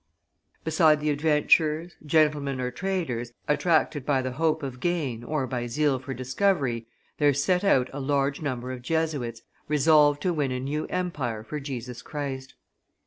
Beside the adventurers, gentlemen or traders, attracted by the hope of gain or by zeal for discovery, there set out a large number of Jesuits, resolved to win a new empire for Jesus Christ.